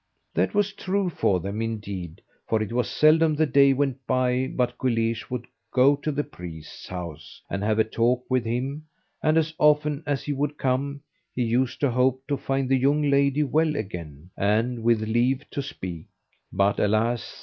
That was true for them, indeed, for it was seldom the day went by but Guleesh would go to the priest's house, and have a talk with him, and as often as he would come he used to hope to find the young lady well again, and with leave to speak; but, alas!